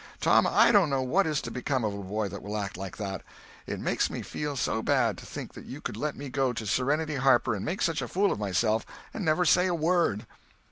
Tom, I don't know what is to become of a boy that will act like that. It makes me feel so bad to think you could let me go to Sereny Harper and make such a fool of myself and never say a word."